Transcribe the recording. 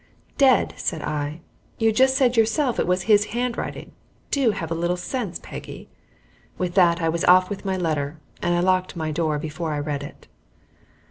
"Dead!" said I. "You just said yourself it was his handwriting. Do have a little sense, Peggy." With that I was off with my letter, and I locked my door before I read it.